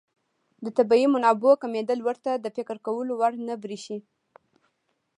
د طبیعي منابعو کمېدل ورته د فکر کولو وړ نه بريښي.